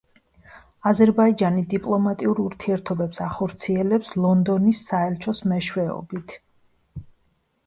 აზერბაიჯანი დიპლომატიურ ურთიერთობებს ახორციელებს ლონდონის საელჩოს მეშვეობით.